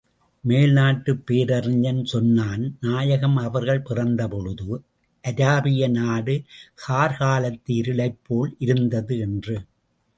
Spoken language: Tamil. மேல்நாட்டுப் பேரறிஞன் சொன்னான் நாயகம் அவர்கள் பிறந்த பொழுது அராபிய நாடு கார்காலத்து இருளைப் போல் இருந்தது என்று.